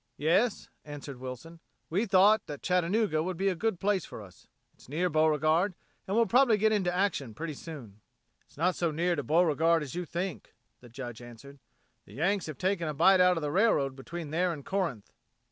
"Yes," answered Wilson. "We thought that Chattanooga would be a good place for us. It's near Beauregard and we'll probably get into action pretty soon." "It's not so near to Beauregard as you think," the Judge answered. "The Yanks have taken a bite out of the railroad between there and Corinth."